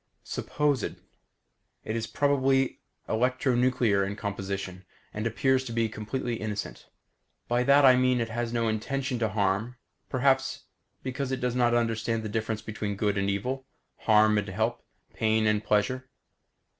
Supposed: It is probably electronuclear in composition, and appears to be completely innocent. By that I mean it has no intention to harm, perhaps because it does not understand the difference between good and evil, harm and help, pain and pleasure.